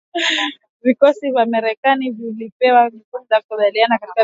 Vikosi vya Marekani vilivyopewa jukumu la kukabiliana na kundi la kigaidi